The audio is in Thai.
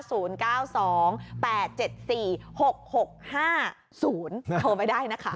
โทรไปได้นะคะ